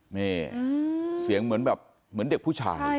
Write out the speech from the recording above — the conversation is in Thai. นี่เสียงเหมือนแบบเหมือนเด็กผู้ชาย